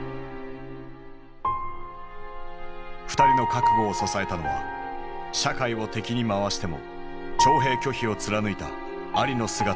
２人の覚悟を支えたのは社会を敵に回しても徴兵拒否を貫いたアリの姿だった。